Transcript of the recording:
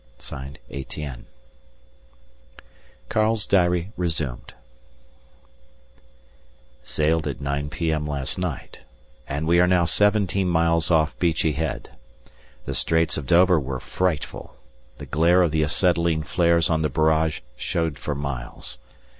_ ETIENNE. Karl's Diary resumed. Sailed at 9 p.m. last night, and we are now seventeen miles off Beachy Head. The Straits of Dover were frightful; the glare of the acetylene flares on the barrage showed for miles.